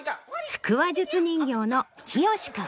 腹話術人形のきよし君。